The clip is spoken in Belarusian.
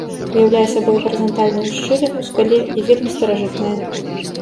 Уяўляе сабой гарызантальную шчыліну ў скале і вельмі старажытная.